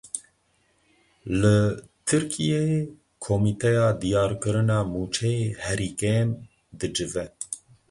Li Tirkiyeyê komîteya diyarkirina mûçeyê herî kêm dicive.